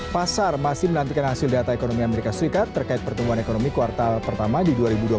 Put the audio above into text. pasar masih menantikan hasil data ekonomi amerika serikat terkait pertumbuhan ekonomi kuartal pertama di dua ribu dua puluh satu